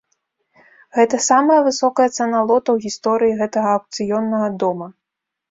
Гэта самая высокая цана лота ў гісторыі гэтага аўкцыённага дома.